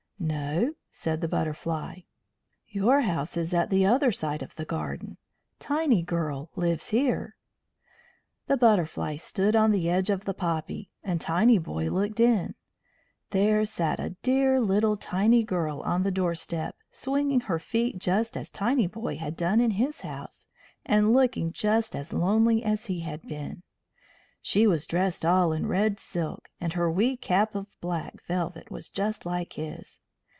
"No," said the Butterfly. "Your house is at the other side of the garden. Tinygirl lives here." The Butterfly stood on the edge of the poppy, and Tinyboy looked in. There sat a dear little Tinygirl on the doorstep, swinging her feet just as Tinyboy had done in his house, and looking just as lonely as he had been. She was dressed all in red silk, and her wee cap of black velvet was just like his.